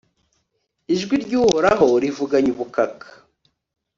ijwi ry'uhoraho rivuganye ubukaka